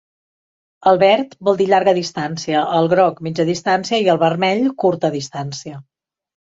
El verd vol dir llarga distància; el groc, mitja distància; i el vermell, curta distància.